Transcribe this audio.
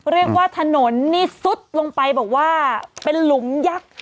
เรียกว่าถนนนี่ซุดลงไปบอกว่าเป็นหลุมยักษ์